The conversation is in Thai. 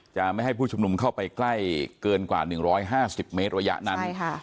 จะไม่ให้ผู้ชุมนุมเข้าไปใกล้เกินกว่า๑๕๐เมตรระยะนั้น